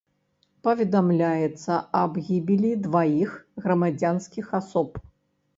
Паведамляецца аб гібелі дваіх грамадзянскіх асоб.